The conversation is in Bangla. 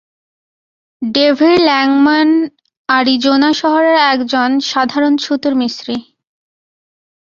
ডেভিড় ল্যাংম্যান আরিজোনা শহরের এক জন সাধারণ ছুতোর মিস্ত্রী।